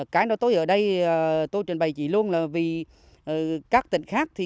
cái đó tôi ở đây tôi truyền bày chỉ luôn là vì các tỉnh khác